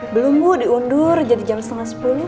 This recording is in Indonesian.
belum bu diundur jadi jam setengah sepuluh